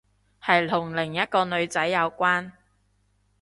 係同另一個女仔有關